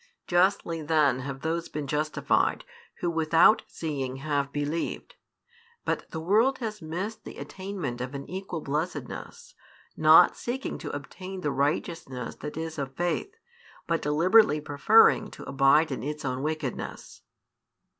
Justly then have those been justified who without seeing have believed; but the world has missed the attainment of an equal blessedness, not seeking to obtain the righteousness that is of faith, but deliberately preferring to abide in its own wickedness.